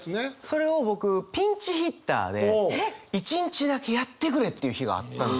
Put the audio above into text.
それを僕ピンチヒッターで一日だけやってくれっていう日があったんですよ。